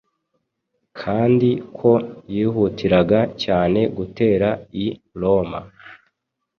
kandi ko yihutiraga cyane gutera i Roma,